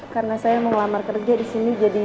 karena saya mau ngelamar kerja disini jadi